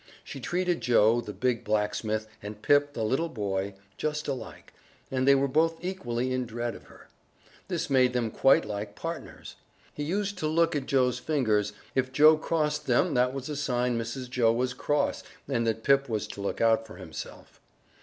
She treated Joe, the big blacksmith, and Pip, the little boy, just alike, and they were both equally in dread of her. This made them quite like partners. Whenever Pip came into the house he used to look at Joe's fingers; if Joe crossed them that was a sign Mrs. Joe was cross and that Pip was to look out for himself.